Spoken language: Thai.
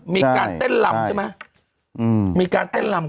มีการเต้นหล่ำใช่ไหม